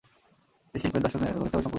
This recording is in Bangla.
এটি শিল্পের দর্শনের ঘনিষ্ঠ ভাবে সম্পর্কিত।